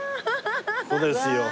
ここですよ。